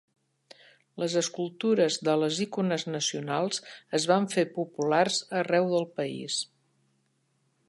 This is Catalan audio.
Les escultures de les icones nacionals es van fer populars arreu del país.